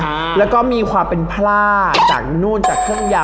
อร่อยเชียบแน่นอนครับอร่อยเชียบแน่นอนครับ